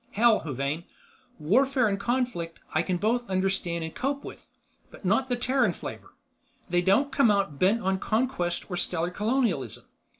Hell, Huvane, warfare and conflict I can both understand and cope with, but not the Terran flavor. They don't come out bent on conquest or stellar colonialism.